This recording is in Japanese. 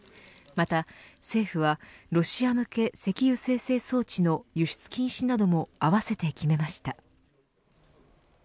また政府はロシア向け石油精製装置の輸出禁止なども合わせて決めました。